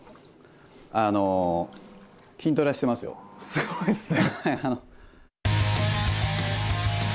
すごいっすね。